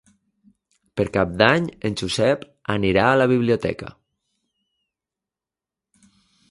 Per Cap d'Any en Josep anirà a la biblioteca.